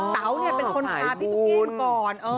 เตาเนี่ยเป็นคนทาพี่ทุกกี้ก่อน